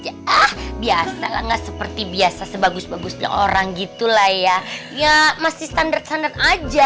ah biasa nggak seperti biasa sebagus bagusnya orang gitulah ya ya masih standar standar aja